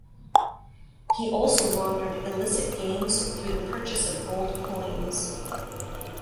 He also laundered illicit gains through the purchase of gold coins.